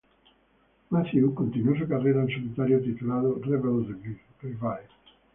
Matthew continuo su carrera en solitario, titulado "Rebel Revive.